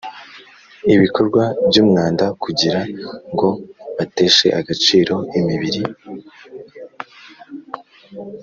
ibikorwa by umwanda kugira ngo bateshe agaciro imibiri